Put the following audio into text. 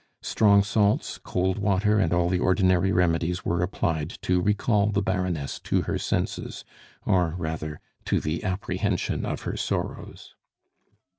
Strong salts, cold water, and all the ordinary remedies were applied to recall the Baroness to her senses, or rather, to the apprehension of her sorrows.